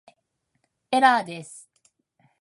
エラーです